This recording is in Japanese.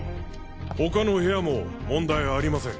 他の部屋も問題ありません。